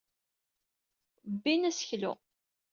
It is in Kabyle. Bbin aseklu.